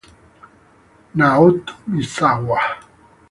Naoto Misawa